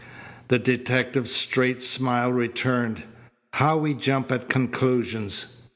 The detective's straight smile returned. "How we jump at conclusions!